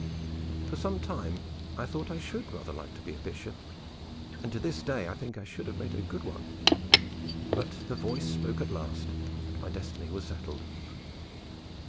For some time I thought I should rather like to be a bishop, and to this day I think I should have made a good one; but the voice spoke at last, and my destiny was settled.